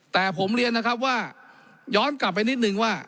แต่ผมเรียนนะครับว่าย้อนกลับไปนิดนึงว่า